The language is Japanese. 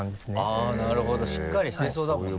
あぁなるほどしっかりしてそうだもんね。